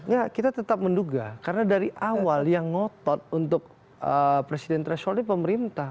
ya kita tetap menduga karena dari awal yang ngotot untuk presidential shortnya pemerintah